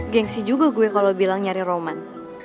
gengsi juga gue kalau bilang nyari roman